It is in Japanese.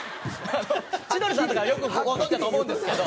千鳥さんとかはよくご存じだと思うんですけど。